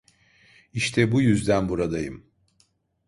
İşte bu yüzden buradayım.